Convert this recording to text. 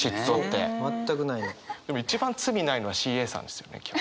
でも一番罪ないのはＣＡさんですよね基本。